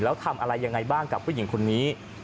แล้วทำอะไรยังไงบ้างกับผู้หญิงคนนี้